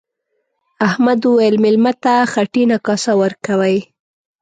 احمد وويل: مېلمه ته خټینه کاسه ورکوي.